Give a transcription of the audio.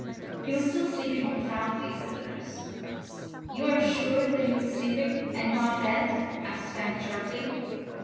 "He was still sleeping profoundly," said the nurse. "You are sure that he was sleeping, and not dead?" asked Fanny, sharply.